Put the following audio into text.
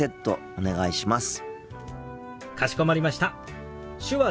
お願いします。